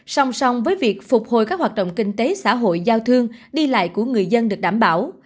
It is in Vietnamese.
song song với việc phục hồi các hoạt động kinh tế xã hội giao thương đi lại của người dân được đảm bảo